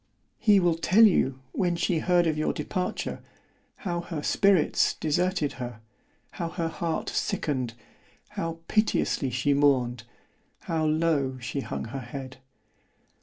"He will tell you, when she heard of your departure—how her spirits deserted her——how her heart sicken'd——how piteously she mourned——how low she hung her head.